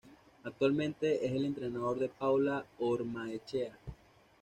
Actualmente es el entrenador de Paula Ormaechea.